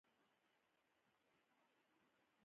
پښتونولۍ زما د رزق او روزۍ مخې ته پاټک اچولی دی.